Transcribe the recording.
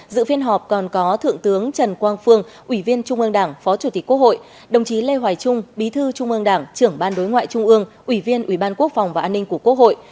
dự phiên họp còn có thượng tướng trần quang phương ủy viên trung ương đảng phó chủ tịch quốc hội đồng chí lê hoài trung bí thư trung ương đảng trưởng ban đối ngoại trung ương ủy viên ủy ban quốc phòng và an ninh của quốc hội